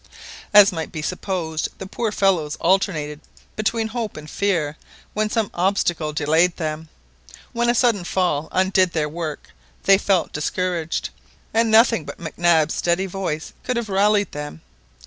As might be supposed the poor fellows alternated between hope and fear when some obstacle delayed them. When a sudden fall undid their work they felt discouraged, and nothing but Mac Nab's steady voice could have rallied them.